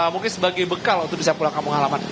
mungkin sebagai bekal untuk pulang kampungan halaman